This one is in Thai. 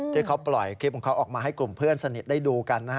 ที่เขาปล่อยคลิปของเขาออกมาให้กลุ่มเพื่อนสนิทได้ดูกันนะฮะ